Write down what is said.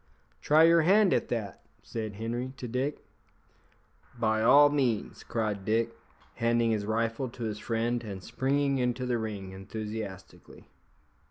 "Try your hand at that," said Henri to Dick. "By all means," cried Dick, handing his rifle to his friend, and springing into the ring enthusiastically.